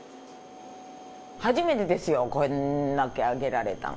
初めてですよ、こんだけ上げられたん。